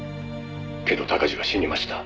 「けど鷹児は死にました